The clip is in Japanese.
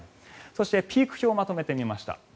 そして、ピーク表をまとめてみました。